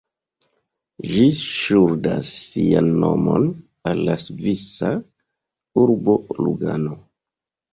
Ĝi ŝuldas sian nomon al la svisa urbo Lugano.